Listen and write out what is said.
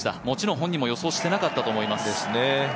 もちろん本人も予想していなかったと思います。